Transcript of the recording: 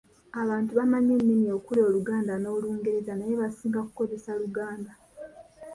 Abantu bamanyi ennimi okuli Oluganda n’Olungereza naye basinga kukozesa Luganda.